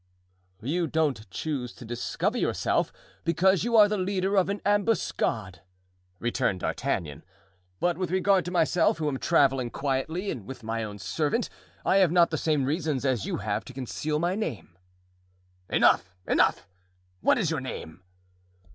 "You don't choose to discover yourself, because you are the leader of an ambuscade," returned D'Artagnan; "but with regard to myself, who am traveling quietly with my own servant, I have not the same reasons as you have to conceal my name." "Enough! enough! what is your name?"